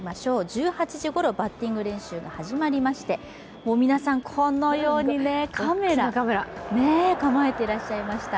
１８時ごろバッティング練習が始まりまして皆さん、このようにカメラ構えていらっしゃいました。